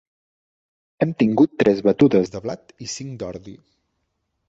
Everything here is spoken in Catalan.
Hem tingut tres batudes de blat i cinc d'ordi.